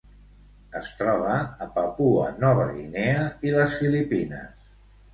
Es troba a Papua Nova Guinea i les Filipines.